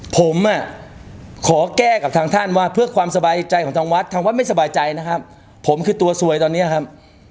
ผมอ่ะขอแก้กับทางท่านว่าเพื่อความสบายใจของทางวัดทางวัดไม่สบายใจนะครับผมคือตัวซวยตอนเนี้ยครับ